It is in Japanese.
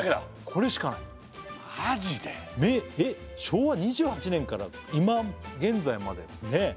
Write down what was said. これしかないえっ昭和２８年から今現在までねえ